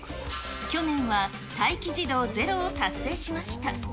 去年は待機児童ゼロを達成しました。